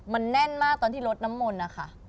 มันแน่นมากตอนที่ลดน้ำมนต์นะคะ